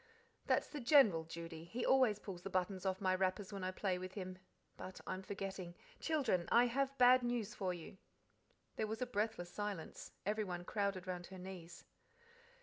"That's the General, Judy: he always pulls the buttons off my wrappers when I play with him. But I'm forgetting. Children, I have bad news for you." There was a breathless silence. Everyone crowded round her knees.